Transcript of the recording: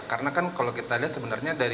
karena kan kalau kita lihat sebenarnya